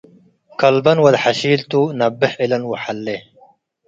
ከልበን ወድ ሐሺልቱ ነብሕ እለን ወሐሌ